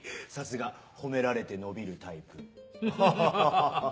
さすが褒められて伸びるタイプ。